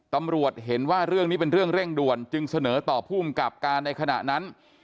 ตำรวจเห็นว่าเรื่องนี้เป็นเรื่องเร่งด่วนจึงเสนอต่อภูมิกับการในขณะนั้น